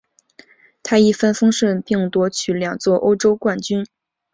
他一帆风顺并夺得两座欧洲冠军。